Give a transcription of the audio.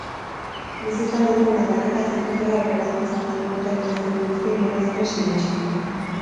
Bizi izan ditugun aldaketak zetozela aurreratu izan baligute ez genituzke inolaz ere sinetsiko.